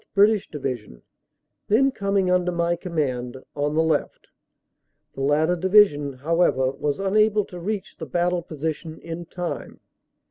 (British) Division, then coming under my command, on the left; the latter Division, however, was unable to reach the battle position in time.